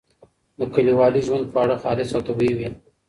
د کلیوالي ژوند خواړه خالص او طبیعي وي.